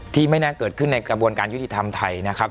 ไม่น่าเกิดขึ้นในกระบวนการยุติธรรมไทยนะครับ